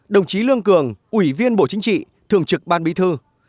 đồng chí lương cường ủy viên bộ chính trị thường trực ban bí thư